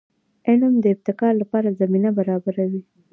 علم د ابتکار لپاره زمینه برابروي.